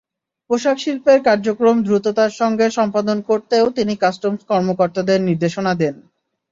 পোশাকশিল্পের কার্যক্রম দ্রুততার সঙ্গে সম্পাদন করতেও তিনি কাস্টমস কর্মকর্তাদের নির্দেশনা দেন।